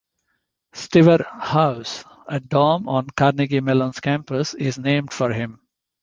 Stever House, a dorm on Carnegie Mellon's campus is named for him.